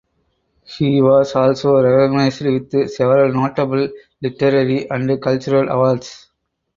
He was also recognised with several notable literary and cultural awards.